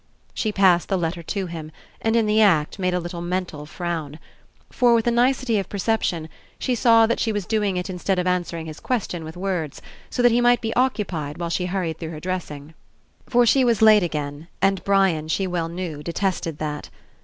She passed the letter to him, and in the act made a little mental frown. For, with 91 PASSING a nicety of perception, she saw that she was doing it Instead of answering his question with words, so that he might be occupied while she hurried through her dressing. For she was late again, and Brian, she well knew, detested that.